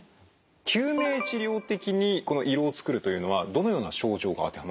救命治療的にこの胃ろうを作るというのはどのような症状が当てはまりますか？